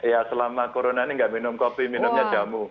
ya selama corona ini nggak minum kopi minumnya jamu